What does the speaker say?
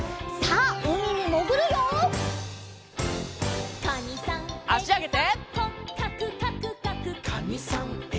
あしあげて。